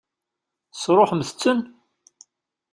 Tesṛuḥemt-ten?